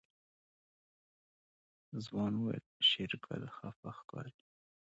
ځوان وويل شېرګل خپه ښکاري.